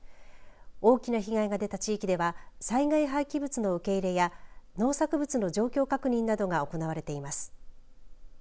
大きな被害が出た地域では災害廃棄物の受け入れや農作物の状況確認などが行われています。